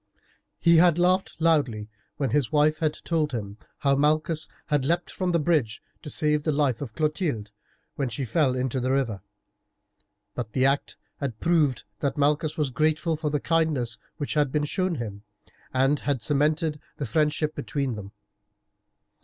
He had laughed loudly when his wife had told him how Malchus had leaped from the bridge to save the life of Clotilde when she fell into the river. But the act had proved that Malchus was grateful for the kindness which had been shown him, and had cemented the friendship between them.